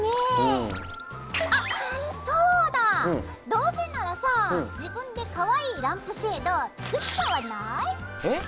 どうせならさ自分でかわいいランプシェード作っちゃわない？えっ！